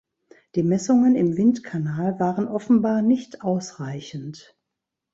Die Messungen im Windkanal waren offenbar nicht ausreichend.